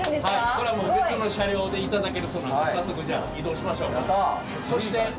これはもう別の車両で頂けるそうなんで早速じゃあ移動しましょうか。